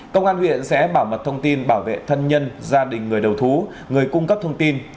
công an huyện sẽ bảo mật thông tin bảo vệ thân nhân gia đình người đầu thú người cung cấp thông tin